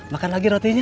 makan lagi rotinya